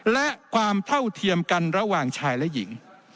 และความเท่าเทียมกันระหว่างชายและหญิง